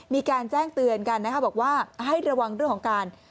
มีการแจ้งเตือนกันนะคะบอกว่าให้ระวังเรื่องของการ